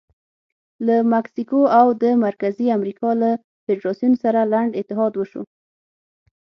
له مکسیکو او د مرکزي امریکا له فدراسیون سره لنډ اتحاد وشو.